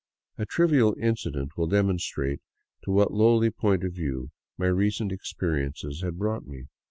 A trivial incident will demonstrate to what lowly point of view my recent experiences had brought me.